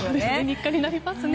日課になりますね。